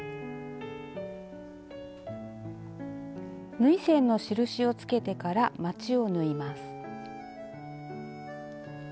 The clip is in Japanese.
縫い線の印をつけてからまちを縫います。